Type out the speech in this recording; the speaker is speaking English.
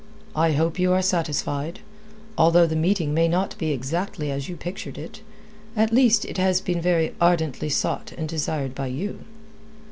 "I hope you are satisfied. Although the meeting may not be exactly as you pictured it, at least it has been very ardently sought and desired by you."